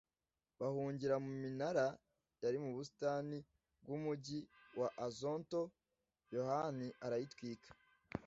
bahungira mu minara yari mu busitani bw'umugi wa azoto yohani arayitwika